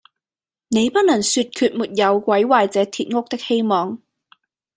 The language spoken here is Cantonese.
你不能說決沒有毀壞這鐵屋的希望。”